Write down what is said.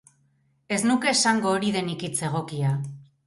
Ez nuke esango hori denik hitz egokia.